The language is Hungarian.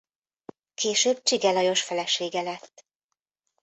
Később Csige Lajos felesége lett.